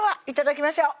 いただきます